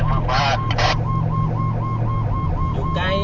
ผู้ชีพเราบอกให้สุจรรย์ว่า๒